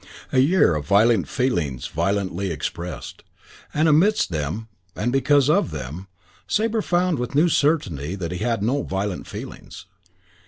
A year of violent feelings violently expressed; and amidst them, and because of them, Sabre found with new certainty that he had no violent feelings.